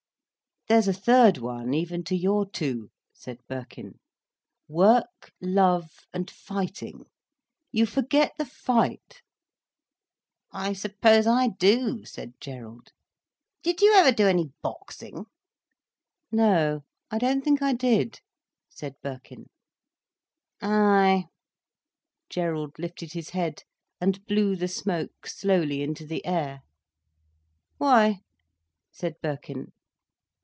"There's a third one even to your two," said Birkin. "Work, love, and fighting. You forget the fight." "I suppose I do," said Gerald. "Did you ever do any boxing—?" "No, I don't think I did," said Birkin. "Ay—" Gerald lifted his head and blew the smoke slowly into the air. "Why?" said Birkin.